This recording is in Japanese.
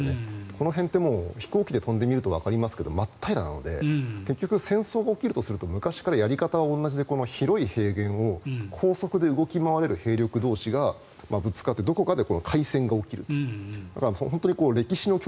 この辺ってもう飛行機で飛んでみるとわかりますが真っ平らなので結局、戦争が起きるとすると昔からやり方は同じで広い平原を高速で動き回れる兵力がぶつかってどこかで大戦が起きると。